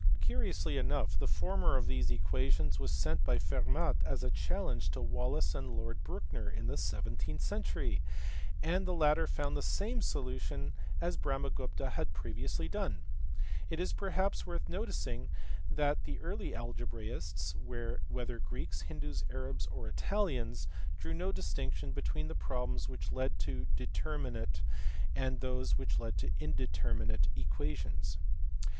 Curiously enough the former of these equations was sent by Fermat as a challenge to Wallis and Lord Brouncker in the seventeenth century, and the latter found the same solutions as Brahmagupta had previously done. It is perhaps worth noticing that the early algebraists, whether Greeks, Hindoos, Arabs, or Italians, drew no distinction between the problems which led to determinate and those which led to indeterminate equations.